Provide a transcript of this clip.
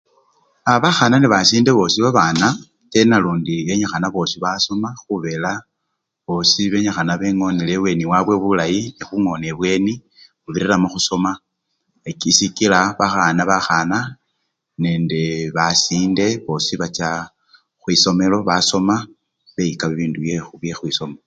Aaa! bakhana nebasinde bosi babana atenalundi benyikhana bosi basoma khubela bosii benyikhana bengonela ebweni wabwe bulayi khungona ebweni khubirira mukhusoma eki! sikila babana bakhana nende basinde bosi bacha khwisomelo basoma beyika bibindu byekhusoma.